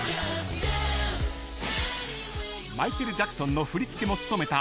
［マイケル・ジャクソンの振り付けも務めた］